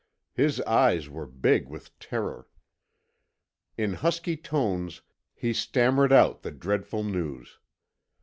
His eyes were big with terror. In husky tones he stammered out the dreadful news.